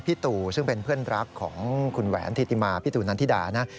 ตู่ซึ่งเป็นเพื่อนรักของคุณแหวนธิติมาพี่ตูนันทิดานะ